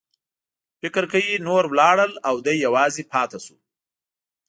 فکر کوي نور ولاړل او دی یوازې پاتې شو.